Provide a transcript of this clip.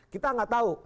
kita enggak tahu